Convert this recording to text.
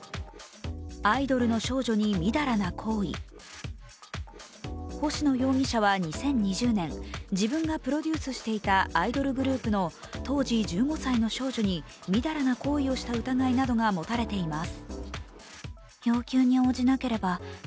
その容疑が星野容疑者は２０２０年、自分がプロデュースしていたアイドルグループの当時１５歳の少女にみだらな行為をした疑いなどが持たれています。